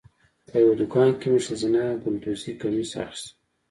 په یوه دوکان کې مې ښځینه ګلدوزي کمیس اخیستلو.